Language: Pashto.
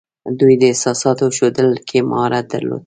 دوی د احساساتو ښودلو کې مهارت درلود